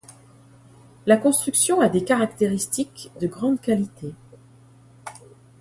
La construction a des caractéristiques de grande qualité.